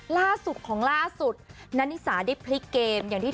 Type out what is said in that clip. ล่าสุดของล่าสุดนันนิสาได้พลิกเกม